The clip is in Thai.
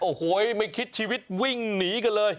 โอ้โหไม่คิดชีวิตวิ่งหนีกันเลย